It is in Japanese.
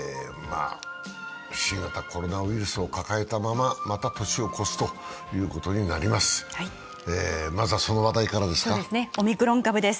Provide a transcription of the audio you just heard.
新型コロナウイルスを抱えたまままた、年を越すということになります。